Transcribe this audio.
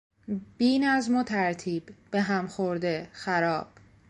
بینظم و ترتیب، به هم خورده، خراب